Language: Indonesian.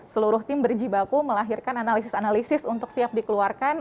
seluruh tim berjibaku melahirkan analisis analisis untuk siap dikeluarkan